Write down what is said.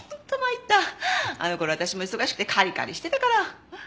あの頃は私も忙しくてカリカリしてたから。